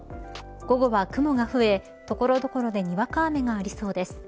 午後は雲が増え所々でにわか雨がありそうです。